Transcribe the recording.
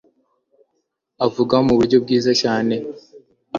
avuga mu buryo bwiza cyane